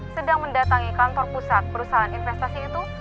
sedang mendatangi kantor pusat perusahaan investasi itu